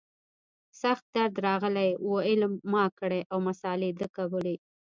سخت درد راغلى و علم ما کړى او مسالې ده کولې.